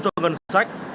cho ngân sách